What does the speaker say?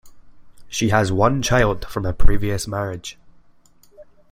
She has one child from a previous marriage.